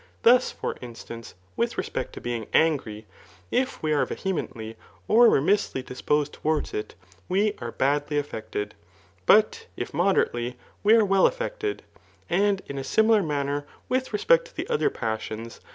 Thus, for instance, with respect to being angry, if we are vehemently or remissly disposed towards it, we are badly affected ; but if mode rately, we axe well aflFected ; and in a similar manner with respect to the other passions.